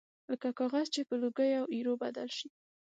لکه کاغذ چې په لوګي او ایرو بدل شي